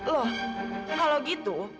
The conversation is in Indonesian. loh kalau gitu